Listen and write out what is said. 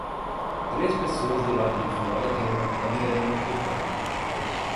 Três pessoas do lado de fora tem uma câmera em um tripé.